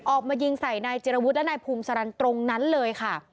ออกมายิงใส่นายจิระวุฒและนายพุมสรรนตรงนั้นเลย